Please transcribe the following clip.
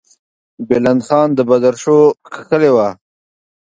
بلند خان د بدرشو کښلې وه.